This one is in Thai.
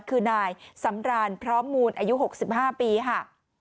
คือนายสำรานพร้อมมูลอายุ๖๕ปีค่ะ